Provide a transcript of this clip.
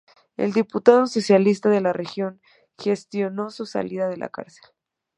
El diputado socialista de la región gestionó su salida de la cárcel.